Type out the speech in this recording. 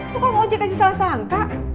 tukang ojek aja salah sangka